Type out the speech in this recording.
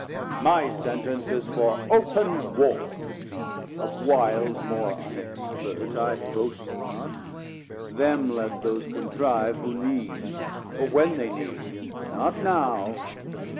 50 My sentence is for open Warr: Of Wiles, More unexpert, I boast not: them let those Contrive who need, or when they need, not now.